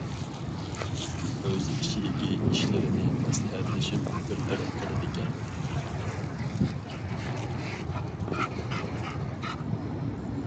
ئۆز ئىچىدىكى ئىشلىرىنى مەسلىھەتلىشىپ بىر تەرەپ قىلىدىكەن.